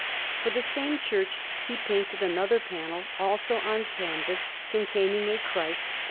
For the same church he painted another panel, also on canvas, containing a Christ and S.